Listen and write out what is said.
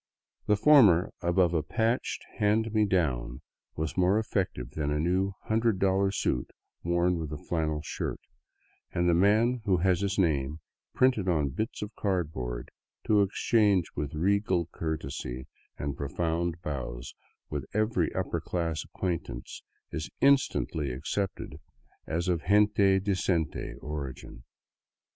The former above a patched " hand me down " was more effective than a new $ioo suit worn with a flannel shirt; and the man who has his name printed on bits of cardboard, to exchange with regal courtesy and profound bows with every upper class acquaintance, is instantly accepted as of gente decente origin.